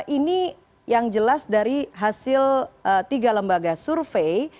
ini yang jelas dari hasil tiga lembaga survei